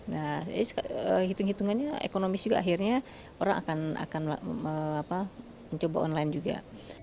nah jadi hitung hitungannya ekonomis juga akhirnya orang akan mencoba online juga